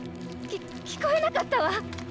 きッ聞こえなかったわッ！